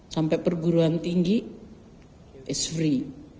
sampai perguruan tinggi it s free